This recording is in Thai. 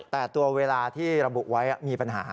แต่ตัวเวลาที่ระบุไว้มีปัญหา